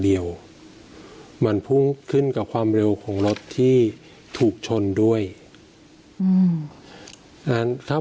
เดียวมันพุ่งขึ้นกับความเร็วของรถที่ถูกชนด้วยอืมอันนั้นถ้า